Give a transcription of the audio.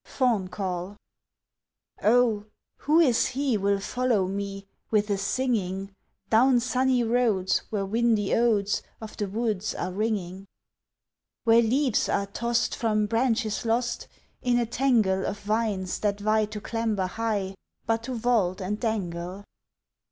FAUN CALL Oh, who is he will follow me With a singing, Down sunny roads where windy odes Of the woods are ringing? Where leaves are tossed from branches lost In a tangle Of vines that vie to clamber high But to vault and dangle!